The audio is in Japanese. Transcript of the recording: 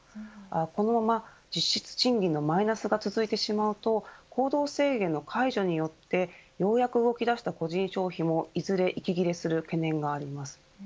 このまま実質賃金のマイナスが続いてしまうと行動制限の解除によってようやく動き出した個人消費もいずれ息切れする懸念があります。